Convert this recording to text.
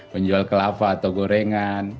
menjual kelapa atau gorengan